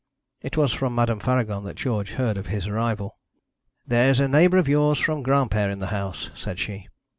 It was from Madame Faragon that George heard of his arrival. 'There is a neighbour of yours from Granpere in the house,' said she.